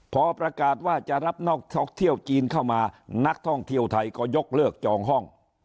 พอประกาศว่าจะรับนอกท่องเที่ยวจีนเข้ามานักท่องเที่ยวไทยก็ยกเลิกจองห้อง